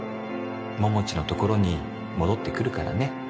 桃地のところに戻ってくるからね。